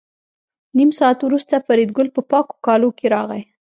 نیم ساعت وروسته فریدګل په پاکو کالو کې راغی